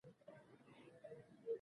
سلیمان غر په طبیعت کې مهم رول لري.